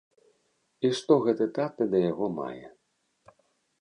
І што гэты тата да яго мае.